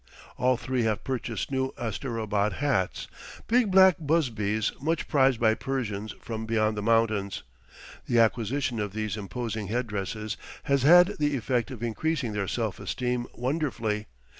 All three have purchased new Asterabad hats, big black busbies much prized by Persians from beyond the mountains. The acquisition of these imposing head dresses has had the effect of increasing their self esteem wonderfully.